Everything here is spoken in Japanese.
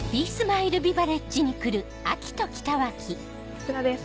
こちらです。